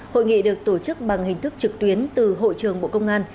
hội nghị được tổ chức bằng hình thức trực tuyến từ hội trường bộ công an